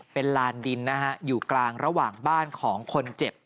เป็นลานดินนะฮะอยู่กลางระหว่างบ้านของคนเจ็บ